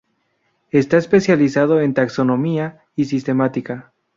Está especializado en taxonomía y sistemática.